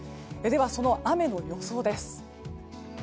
では、その雨の予想です。